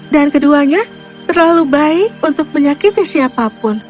dan keduanya terlalu baik untuk menyakiti siapapun